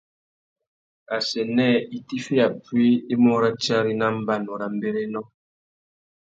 Assênē itifiya puï i mú ratiari nà mbanu râ mbérénô.